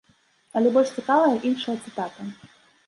Але больш цікавая іншая цытата.